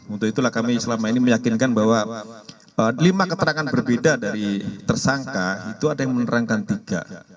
untuk itulah kami selama ini meyakinkan bahwa lima keterangan berbeda dari tersangka itu ada yang menerangkan tiga